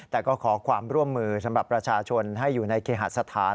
แต่ก็ขอความร่วมมือสำหรับประชาชนให้อยู่ในเคหสถาน